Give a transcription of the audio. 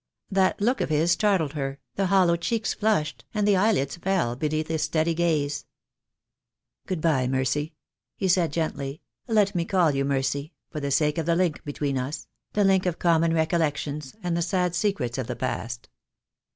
That look of his startled her, the hollow cheeks flushed, and the eyelids fell beneath his steady gaze. "Good bye, Mercy," he said, gently, "let me call you THE DAY WILL COME. 151 Mercy, for the sake of the link between us — the link of common recollections, and the sad secrets of the past."